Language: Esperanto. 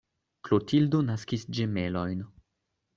Klotildo naskis ĝemelojn.